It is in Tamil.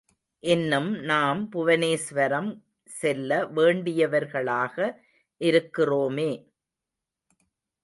இன்னும் நாம் புவனேஸ்வரம் செல்ல வேண்டியவர்களாக இருக்கிறோமே.